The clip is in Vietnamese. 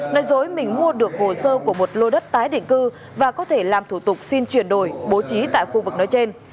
nói dối mình mua được hồ sơ của một lô đất tái định cư và có thể làm thủ tục xin chuyển đổi bố trí tại khu vực nói trên